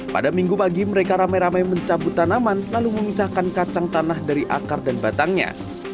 pada minggu pagi mereka rame rame mencabut tanaman lalu memisahkan kacang tanah dari akar dan batangnya